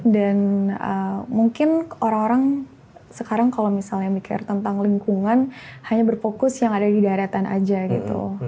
dan mungkin orang orang sekarang kalau misalnya mikir tentang lingkungan hanya berfokus yang ada di daerah tanah aja gitu